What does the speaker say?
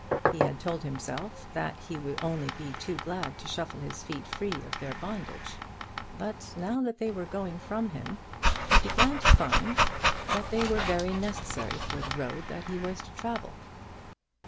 He had told himself that he would only be too glad to shuffle his feet free of their bondage; but now that they were going from him, he began to find that they were very necessary for the road that he was to travel.